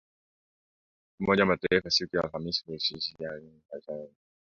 Umoja wa Mataifa siku ya Alhamis ulionya dhidi ya “chokochoko” nchini Libya ambazo zinaweza kusababisha mapigano